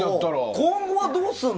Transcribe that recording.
今後はどうするの？